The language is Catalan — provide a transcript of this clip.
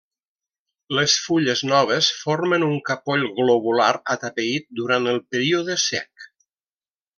Les fulles noves formen un capoll globular atapeït durant el període sec.